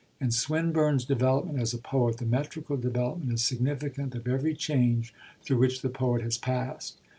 In Swinburne's development as a poet the metrical development is significant of every change through which the poet has passed.